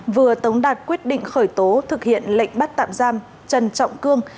vừa tống đạt quyết định khởi tố thực hiện lệnh bắt tạm giam trần trọng cương